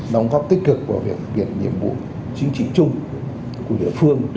đóng góp tích cực của việc việc nhiệm vụ chính trị chung của địa phương